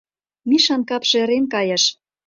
— Мишан капше ырен кайыш.